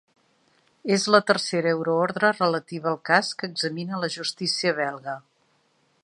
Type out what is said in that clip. És la tercera euroordre relativa al cas que examina la justícia belga.